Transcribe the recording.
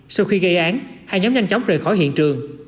sau khi gây án hai nhóm nhanh chóng rời khỏi hiện trường